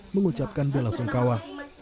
mengucapkan bela sungkawa